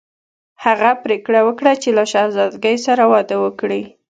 هغه پریکړه وکړه چې له شهزادګۍ سره واده وکړي.